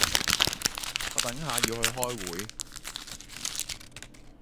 我等下要去開會